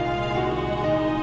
aku mau makan